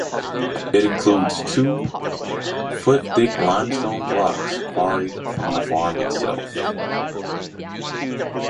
It includes two foot thick limestone blocks quarried from the farm itself.